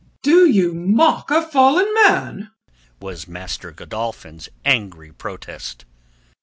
"Do you mock a fallen man?" was Master Godolphin's angry protest.